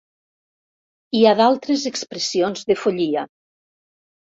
I a d'altres expressions de follia.